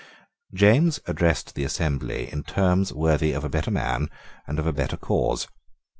James addressed the assembly in terms worthy of a better man and of a better cause.